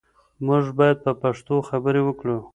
موږ باید په پښتو خبرې وکړو.